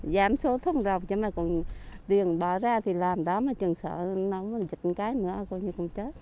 giảm số thông rộng chứ mà còn tiền bỏ ra thì làm đó mà chừng sợ nóng và dịch một cái nữa coi như không chết